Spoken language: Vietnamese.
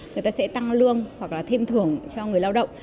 người ta sẽ tăng lương hoặc là thêm thưởng cho người lao động